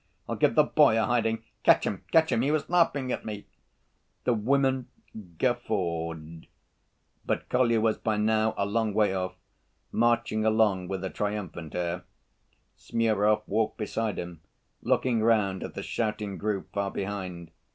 I'll give the boy a hiding. Catch him, catch him, he was laughing at me!" The woman guffawed. But Kolya was by now a long way off, marching along with a triumphant air. Smurov walked beside him, looking round at the shouting group far behind.